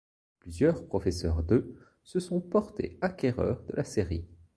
Plusieurs professeurs de se sont portés acquéreurs de la série.